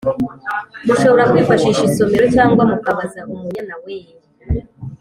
mushobora kwifashisha isomero cyangwa mukabaza Umunyana weee!